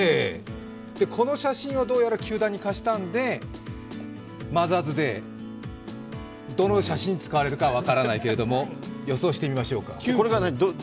この写真はどうやら球団に貸したんで、マザーズデー、どの写真を使われるか分からないけども、予想してみましょうか。